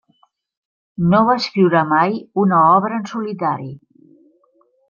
No va escriure mai una obra en solitari.